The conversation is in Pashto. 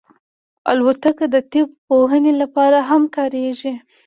الوتکه د طب پوهنې لپاره هم کارېږي.